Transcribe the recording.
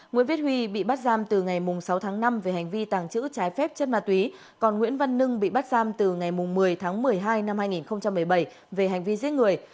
nguyễn viết huy bị bắt giam từ ngày sáu tháng năm về hành vi tàng trữ trái phép chất ma túy còn nguyễn văn nưng bị bắt giam từ ngày một mươi tháng một mươi hai năm hai nghìn một mươi bảy về hành vi giết người